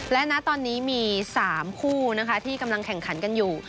และณตอนนี้มี๓คู่นะคะที่กำลังแข่งขันกันอยู่